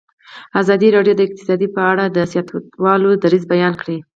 ازادي راډیو د اقتصاد په اړه د سیاستوالو دریځ بیان کړی.